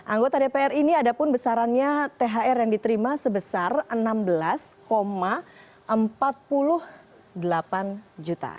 anggota dpr ini ada pun besarannya thr yang diterima sebesar rp enam belas empat puluh delapan juta